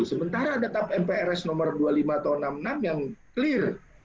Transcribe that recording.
sementara ada tap mprs nomor dua puluh lima tahun enam puluh enam yang clear